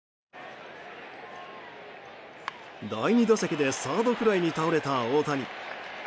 第２打席でサードフライに倒れた大谷。